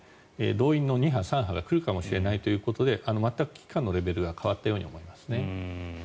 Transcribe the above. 動員の２波、３波が来るかもしれないということで全く危機感のレベルが変わったように思いますね。